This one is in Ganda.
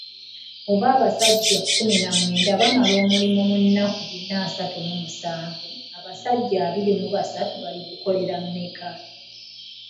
Obanga abasajja kkumi na mwenda bamala omulimo mu nnaku bina asatu mu musanvu. Abasajja abiri mu basatu baligukolera mmeka?